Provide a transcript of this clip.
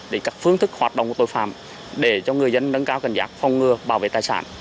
để các phương thức hoạt động của tội phạm để cho người dân nâng cao cảnh giác phòng ngừa bảo vệ tài sản